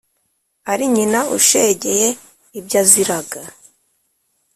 Ari nyina ushegeye ibyaziraga !